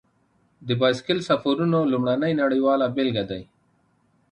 د بایسکل سفرونو لومړنی نړیواله بېلګه دی.